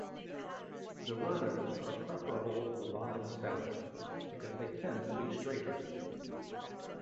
The runners are preferable to the vine's stems because they tend to be straighter.